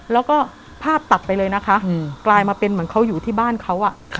แล้วก็ภาพตัดไปเลยนะคะกลายมาเป็นเหมือนเขาอยู่ที่บ้านเขา